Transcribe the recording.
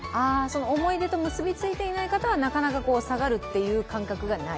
思い出と結びついていない方はなかなか下がるっていう感覚がない。